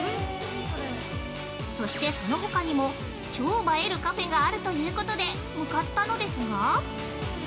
そして、そのほかにも超映えるカフェがあるということで向かったのですが◆